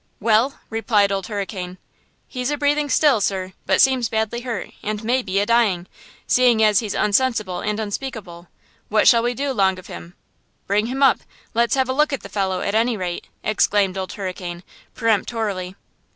"Well!" replied Old Hurricane. "He's a breathing still, sir; but seems badly hurt, and may be a dying, seeing as he's unsensible and unspeakable. What shall we do long of him?" "Bring him up! let's have a look at the fellow, at any rate!" exclaimed Old Hurricane, peremptorily.